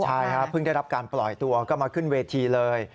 ใช่ครับเพิ่งได้รับการปล่อยตัวก็มาขึ้นเวทีเลย